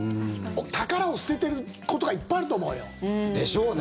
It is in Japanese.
宝を捨ててることがいっぱいあると思うよ。でしょうね。